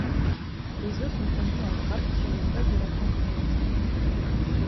Les œufs sont pondus en grappes sur les feuilles de la plante hôte.